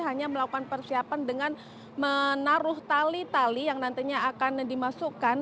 hanya melakukan persiapan dengan menaruh tali tali yang nantinya akan dimasukkan